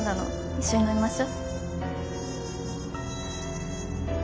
一緒に飲みましょ。